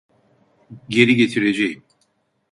Geri getireceğim.